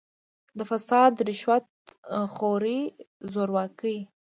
د «فساد، رشوت خورۍ، زورواکۍ